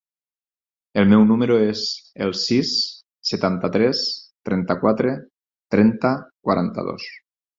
El meu número es el sis, setanta-tres, trenta-quatre, trenta, quaranta-dos.